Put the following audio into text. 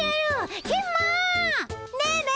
ねえねえ！